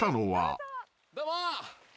どうも。